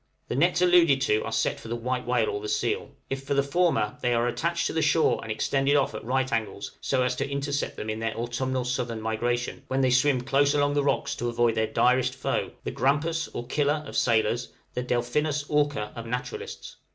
The nets alluded to are set for the white whale or the seal; if for the former, they are attached to the shore and extended off at right angles so as to intercept them in their autumnal southern migration, when they swim close along the rocks to avoid their direst foe, the grampus, or killer, of sailors, the Delphinus orca of naturalists.